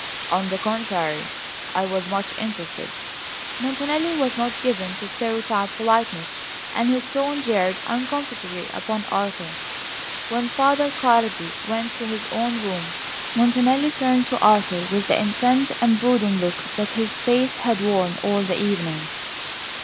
"On the contrary, I was much interested." Montanelli was not given to stereotyped politeness, and his tone jarred uncomfortably upon Arthur. When Father Cardi went to his own room Montanelli turned to Arthur with the intent and brooding look that his face had worn all the evening.